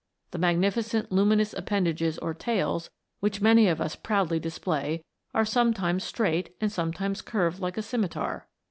The magnificent luminous appendages or tails which many of \is proudly display, are sometimes straight, and sometimes curved like a scimitar.